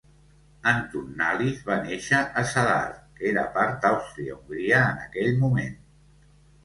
Antun Nalis va néixer a Zadar, que era part d'Àustria-Hongria en aquell moment.